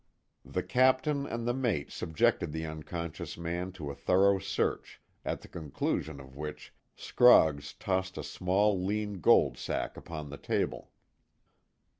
The Captain and the mate subjected the unconscious man to a thorough search, at the conclusion of which Scroggs tossed a small lean gold sack upon the table.